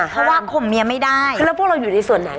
เพราะว่าข่มเมียไม่ได้แล้วพวกเราอยู่ในส่วนไหน